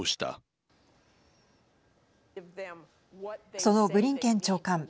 そのブリンケン長官。